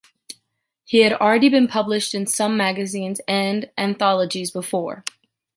He had already been published in some magazines and anthologies before.